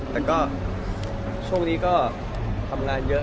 แต่ก็ช่วงนี้ก็ทำงานเยอะ